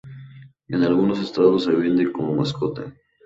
En algunos estados se venden como mascotas.